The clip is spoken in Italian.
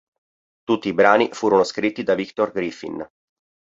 Tutti i brani furono scritti da Victor Griffin.